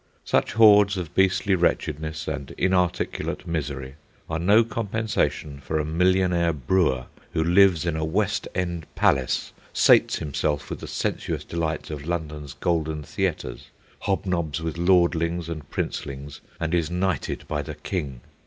Such hordes of beastly wretchedness and inarticulate misery are no compensation for a millionaire brewer who lives in a West End palace, sates himself with the sensuous delights of London's golden theatres, hobnobs with lordlings and princelings, and is knighted by the king.